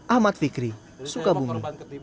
ahmad fikri sukabumi